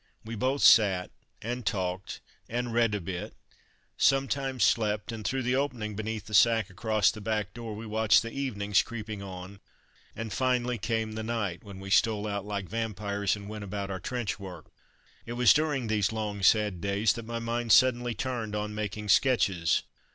We both sat and talked and read a bit, sometimes slept, and through the opening beneath the sack across the back door we watched the evenings creeping on, and finally came the night, when we stole out like vampires and went about our trench work. It was during these long, sad days that my mind suddenly turned on making sketches.